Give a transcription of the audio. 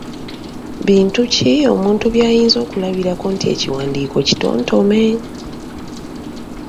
Bintu ki omuntu by’ayinza okulabirako nti ekiwandiiko Kitontome?